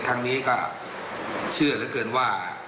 ครั้งนี้ก็เชื่อเหลือเกินว่า